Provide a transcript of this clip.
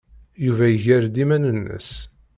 Yuba iger-d iman-nnes.